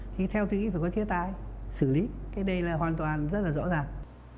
thì theo tư ý phải có chia tay xử lý cái đây là hoàn toàn rất là rõ ràng